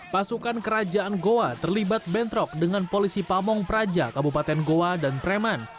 pasukan kerajaan goa terlibat bentrok dengan polisi pamong praja kabupaten goa dan preman